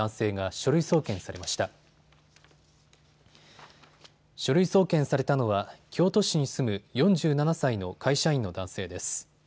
書類送検されたのは京都市に住む４７歳の会社員の男性です。